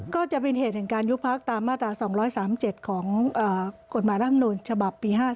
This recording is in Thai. ก็จะเป็นเหตุแห่งการยุบพักตามมาตรา๒๓๗ของกฎหมายร่ำนูลฉบับปี๕๗